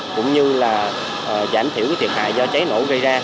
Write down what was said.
cũng như là giảm thiểu thiệt hại do cháy nổ gây ra